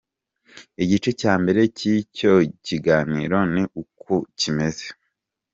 Igice cya mbere cy’icyo kiganiro ni uku kimeze: